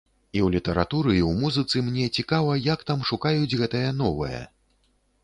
І ў літаратуры, і ў музыцы мне цікава, як там шукаюць гэтае новае.